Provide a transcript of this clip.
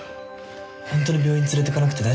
ほんとに病院連れてかなくて大丈夫かな？